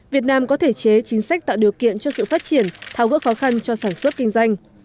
việt nam có thể chế chính sách tạo điều kiện cho sự phát triển thao gỡ khó khăn cho sản xuất kinh doanh